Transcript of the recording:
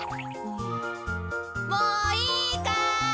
もういいかい？